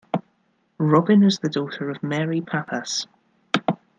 Robin is the daughter of Mary Pappas.